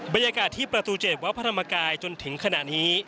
บรรยากาศที่ประตู๗วัดพระธรรมกายจนถึงขณะนี้